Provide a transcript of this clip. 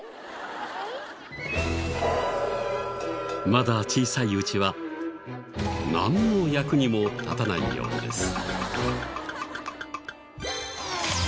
まだ小さいうちはなんの役にも立たないようです。